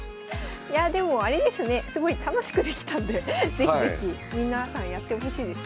いやでもあれですねすごい楽しくできたんで是非是非皆さんやってほしいですね。